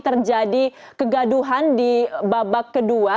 terjadi kegaduhan di babak kedua